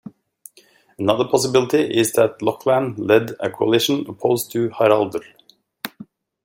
Another possibility, is that Lochlann led a coalition opposed to Haraldr.